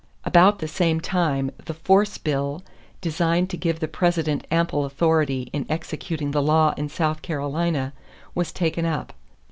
About the same time the "force bill," designed to give the President ample authority in executing the law in South Carolina, was taken up.